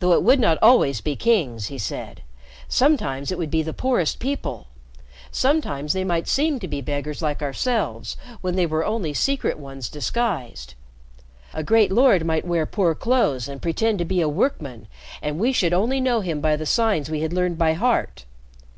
"Though it would not always be kings," he said. "Sometimes it would be the poorest people. Sometimes they might seem to be beggars like ourselves, when they were only Secret Ones disguised. A great lord might wear poor clothes and pretend to be a workman, and we should only know him by the signs we had learned by heart.